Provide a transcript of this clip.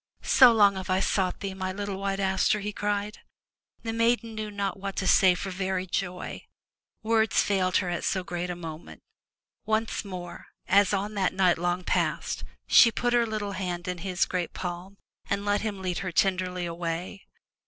"So long have I sought thee, my little White Aster,'* he cried. The maiden knew not what to say for very joy. Words failed her at so great a moment. Once more, as on that night long past, she put her little hand in his great palm and let him lead her tenderly away.